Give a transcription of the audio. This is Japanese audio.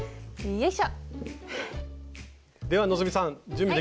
よいしょ。